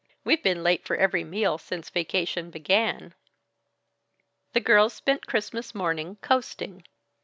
We've been late for every meal since vacation began." The girls spent Christmas morning coasting.